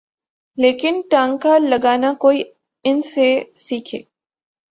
لیکن ٹانکا لگانا کوئی ان سے سیکھے۔